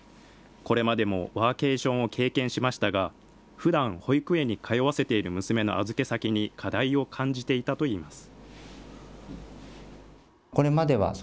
これまでもワーケーションを経験しましたが、ふだん、保育園に通わせている娘の預け先に課題を感じていたといいます。